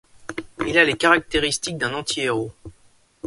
Il a les caractéristiques d'un anti-héros.